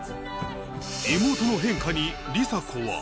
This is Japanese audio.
妹の変化に梨紗子は。